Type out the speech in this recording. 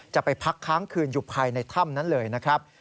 จะไปพักค้างคืนอยู่ภายในถ้ำนั้นเลยนะครับ